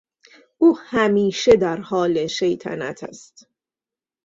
او همیشه در حال شیطنت است.